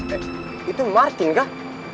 eh itu martin kah